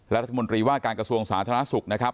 รัฐมนตรีว่าการกระทรวงสาธารณสุขนะครับ